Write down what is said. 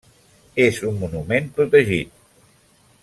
És un monument protegit.